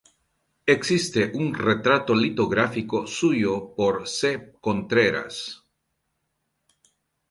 Existe un retrato litográfico suyo por C. Contreras.